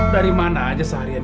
dari mana aja seharian